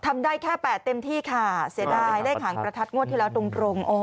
ทำได้แค่๘เต็มที่ค่ะเสียดายเลขหางประทัดงวดที่แล้วตรง